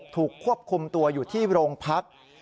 ถูกควบคุมตัวอยู่ที่โรงพัก